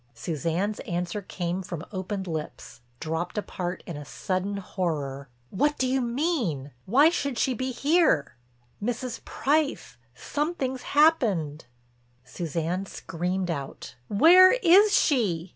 Suzanne's answer came from opened lips, dropped apart in a sudden horror: "What do you mean? Why should she be here?" "Mrs. Price, something's happened!" Suzanne screamed out: "Where is she?"